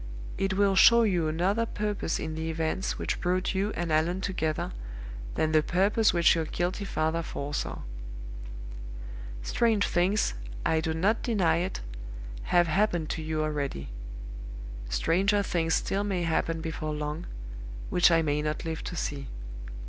It will show you another purpose in the events which brought you and Allan together than the purpose which your guilty father foresaw. Strange things, I do not deny it, have happened to you already. Stranger things still may happen before long, which I may not live to see.